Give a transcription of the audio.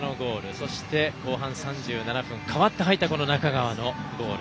そして、後半３７分代わって入った仲川のゴール。